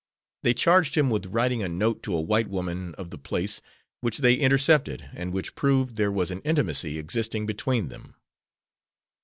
They charged him with writing a note to a white woman of the place, which they intercepted and which proved there was an intimacy existing between them.